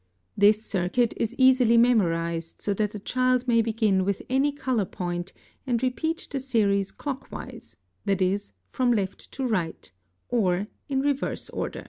This circuit is easily memorized, so that the child may begin with any color point, and repeat the series clock wise (that is, from left to right) or in reverse order.